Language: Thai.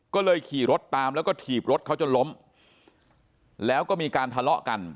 ก็เลยขี่รถตามแล้วก็ถีบรถเขาจนล้มแล้วก็มีการทะเลาะกัน